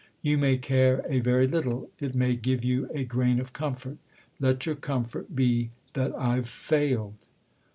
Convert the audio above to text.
You may care a very little ; it may give you a grain of comfort. Let your comfort be that I've failed."